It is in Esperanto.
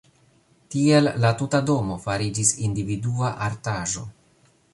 Tiel la tuta domo fariĝis individua artaĵo.